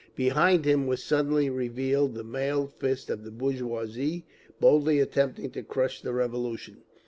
Behind him was suddenly revealed the mailed fist of the bourgeoisie, boldly attempting to crush the Revolution.